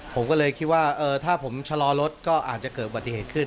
ผมก็เลยคิดว่าถ้าผมชะลอรถก็อาจจะเกิดอุบัติเหตุขึ้น